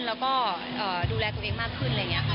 แล้วก็ดูแลตัวเองมากขึ้นอะไรอย่างนี้ค่ะ